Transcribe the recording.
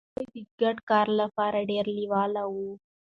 دوی د ګډ کار لپاره ډیر لیواله وي.